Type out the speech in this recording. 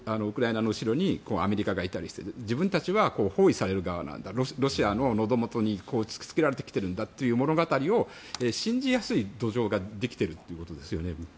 ウクライナの後ろにアメリカがいたりして自分たちは包囲される側なんだとロシアの、のどもとに突きつけられてきているんだという物語を信じやすい土壌ができているということですよね。